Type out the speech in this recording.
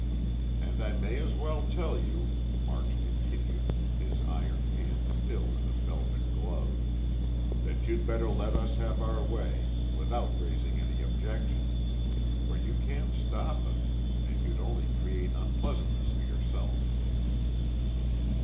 "And I may as well tell you," March continued, his iron hand still in a velvet glove, "that you'd better let us have our way, without raising any objection. For you can't stop us, and you'd only create unpleasantness for yourself."